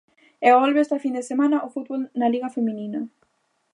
E volve esta fin de semana o fútbol na Liga feminina.